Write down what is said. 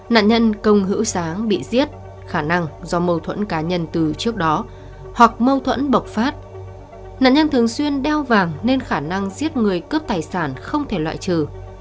nạn nhân công hữu sáng bị giết khả năng do mâu thuẫn cá nhân từ trước đó hoặc mâu thuẫn bộc phát nạn nhân thường xuyên đeo vàng nên khả năng giết người cướp tài sản không thể loại trừ